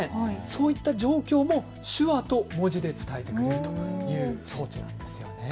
そういった状況も手話と文字で伝えるという装置なんです。